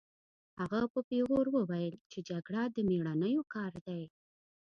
هغه په پیغور وویل چې جګړه د مېړنیو کار دی